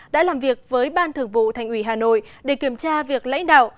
đã làm việc với ban thường vụ thành ủy hà nội để kiểm tra việc lãnh đạo